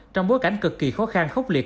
trong bối cảnh cực kỳ khó khăn khốc liệt